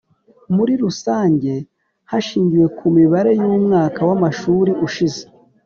Muri rusange hashingiwe ku mibare y umwaka w amashuri ushize